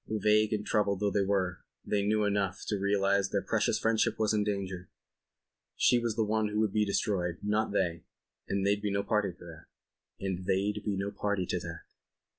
Vague and troubled though they were, they knew enough to realize their precious friendship was in danger. She was the one who would be destroyed—not they—and they'd be no party to that.